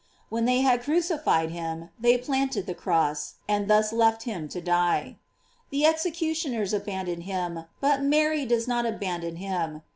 When they had crucified him, they planted the cross, and thus left him to die. The execution ers abandon him, but Mary does not abandon him.